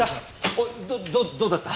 おいどうだった？